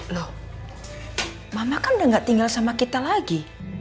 loh mama kan udah gak tinggal sama kita lagi